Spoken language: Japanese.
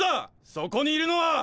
そこにいるのは！